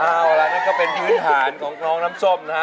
โอ้ละนั่นก็เป็นพื้นฐานของทำสมนะฮะ